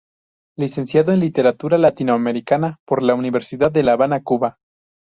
Licenciado en Literatura Latinoamericana por la Universidad de la Habana, Cuba.